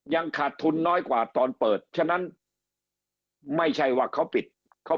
ยังขาดทุนน้อยกว่าตอนเปิดฉะนั้นไม่ใช่ว่าเขาปิดเขา